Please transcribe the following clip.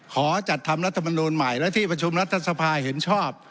ขอจัดทำรัฐมนูลใหม่และที่ประชุมรัฐสภาเห็นชอบ